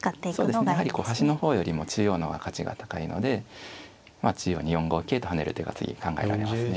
そうですねやはり端の方よりも中央の方が価値が高いのでまあ中央に４五桂と跳ねる手が次に考えられますね。